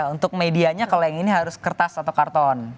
untuk medianya kalau yang ini harus kertas atau karton